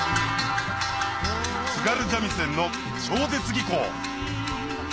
津軽三味線の超絶技巧